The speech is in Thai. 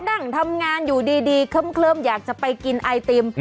นั่งทำงานอยู่ดีเคลิ้มอยากจะไปกินไอติม